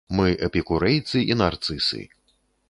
Мы эпікурэйцы і нарцысы!